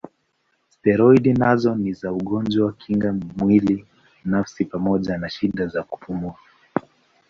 Steroidi nazo ni za ugonjwa kinga mwili nafsi pamoja na shida za kupumua.